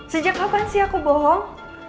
sejak kapan sih aku bohong